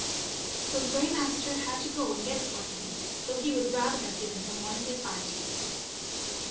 So the Grey Master had to go and get it for him, though he would rather have given him one of his eye teeth.